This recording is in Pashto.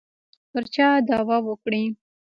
پر چا دعوه وکړي.